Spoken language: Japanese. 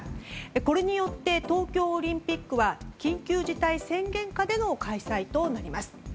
これによって東京オリンピックは緊急事態宣言下での開催となります。